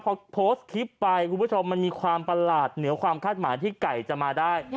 พอโพสต์คลิปไปคุณผู้ชมมันมีความประหลาดเหนือความคาดหมายที่ไก่จะมาได้